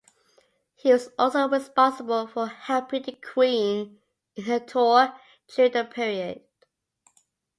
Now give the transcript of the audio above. He was also responsible for helping the Queen in her tour during the period.